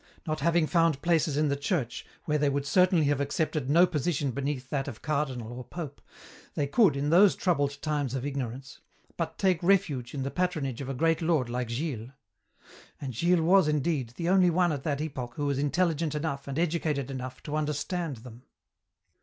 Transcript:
Not having found places in the Church, where they would certainly have accepted no position beneath that of cardinal or pope, they could, in those troubled times of ignorance, but take refuge in the patronage of a great lord like Gilles. And Gilles was, indeed, the only one at that epoch who was intelligent enough and educated enough to understand them.